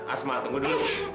asma tunggu dulu